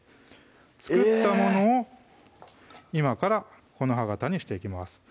作ったものを今から木の葉型にしていきます